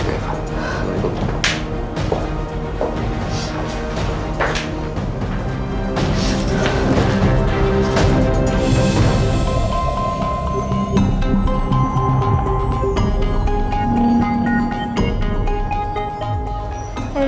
selamat malam eva